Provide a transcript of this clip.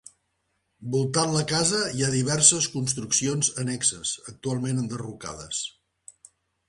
Voltant la casa hi ha diverses construccions annexes actualment enderrocades.